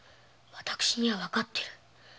私にはわかっている。